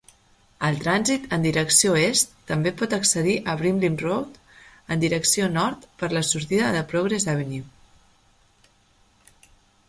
El trànsit en direcció est també pot accedir a Brimley Road en direcció nord per la sortida de Progress Avenue.